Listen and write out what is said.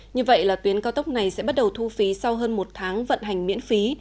như vậy là tuyến cao tốc này sẽ bắt đầu thu phí sau hơn một tháng vận hành miễn phí